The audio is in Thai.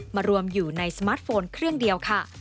มารวมอยู่ในสมาร์ทโฟนเครื่องเดียวค่ะ